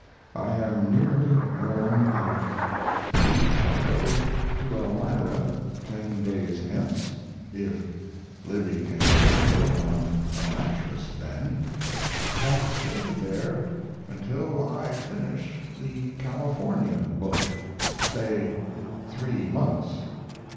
I am nearly worn out. We shall go to Elmira ten days hence (if Livy can travel on a mattress then), and stay there until I finish the California book, say three months.